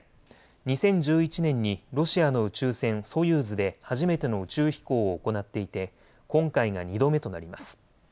２０１１年にロシアの宇宙船、ソユーズで初めての宇宙飛行を行っていて今回が２度目となります。